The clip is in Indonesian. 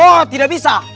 oh tidak bisa